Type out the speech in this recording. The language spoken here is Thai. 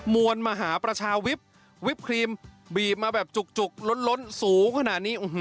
มวลมหาประชาวิปวิปครีมบีบมาแบบจุกล้นสูงขนาดนี้